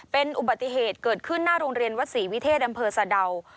เป็นอุบัติเหตุเกิดขึ้นหน้าโรงเรียนวัดศรีวิเทศอำเภอสะดาว